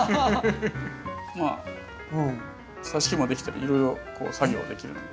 まあさし木もできたりいろいろ作業はできるので。